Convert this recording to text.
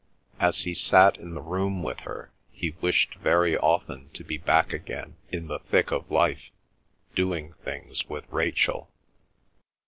As he sat in the room with her, he wished very often to be back again in the thick of life, doing things with Rachel.